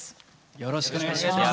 よろしくお願いします。